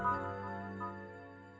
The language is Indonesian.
aku ada siasat